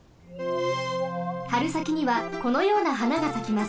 はるさきにはこのようなはながさきます。